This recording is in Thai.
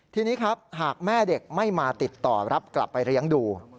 ทีนี้ครับหากแม่เด็กไม่มาติดต่อรับกลับไปเลี้ยงดู